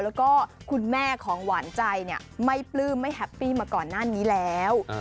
แล้วก็คุณแม่ของหวานใจไม่ปลื้มไม่แฮปปี้มาก่อนหน้านี้แล้ว